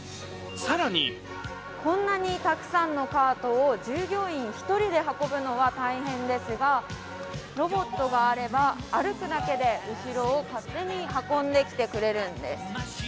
更にこんなにたくさんのカートを従業員１人で運ぶのは大変ですが、ロボットがあれば歩くだけで後ろを勝手に運んできてくれるんです。